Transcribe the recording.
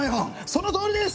そのとおりです！